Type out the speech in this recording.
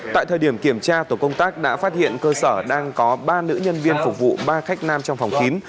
tại thời điểm kiểm tra tổ công tác đã phát hiện cơ sở đang có ba nữ nhân viên phục vụ ba khách nam trong phòng kín